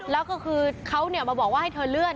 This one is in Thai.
แล้วก็คือเขามาบอกว่าให้เธอเลื่อน